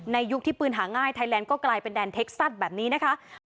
ยุคที่ปืนหาง่ายไทยแลนด์ก็กลายเป็นแดนเท็กซัสแบบนี้นะคะ